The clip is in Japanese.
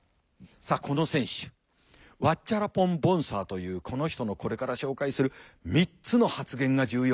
さあこの選手ワッチャラポン・ボンサーというこの人のこれから紹介する「３つの発言」が重要。